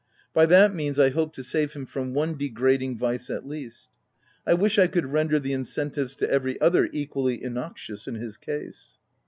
u By that means I hope to save him from one degrading vice at least. I wish I could render the incentives to every other equally innoxious in his case."